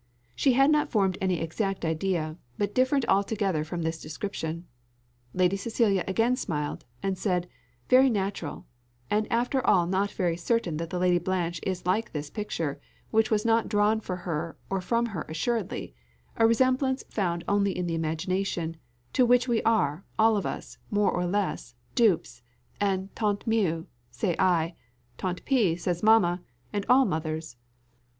She had not formed any exact idea but different altogether from this description. Lady Cecilia again smiled, and said, "Very natural; and after all not very certain that the Lady Blanche is like this picture, which was not drawn for her or from her assuredly a resemblance found only in the imagination, to which we are, all of us, more or less, dupes; and tant mieux say I tant pis says mamma and all mothers."